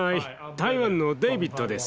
台湾のデイビッドです。